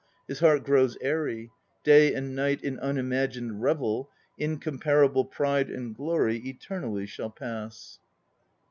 His heart grows airy; day and night In unimagined revel, incomparable pride and glory Eternally shall pass.